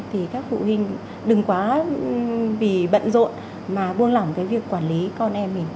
thì các phụ huynh đừng quá vì bận rộn mà buông lỏng cái việc quản lý con em mình